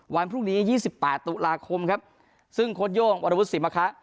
วันพรุ่งนี้๒๘ตุลาคมครับซึ่งโค้ดโย่งวรวุศิมะคะ